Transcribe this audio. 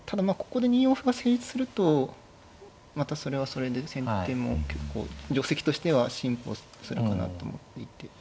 ここで２四歩が成立するとまたそれはそれで先手も結構定跡としては進歩するかなと思っていて。